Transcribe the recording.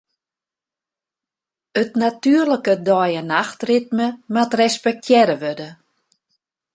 It natuerlike dei- en nachtritme moat respektearre wurde.